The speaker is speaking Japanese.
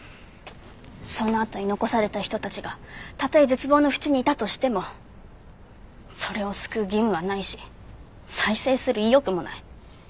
そのあとに残された人たちがたとえ絶望の淵にいたとしてもそれを救う義務はないし再生する意欲もない。